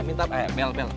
ikutin orang terus deh